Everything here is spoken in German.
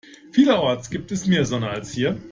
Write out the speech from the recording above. Vielerorts gibt es mehr Sonne als hier.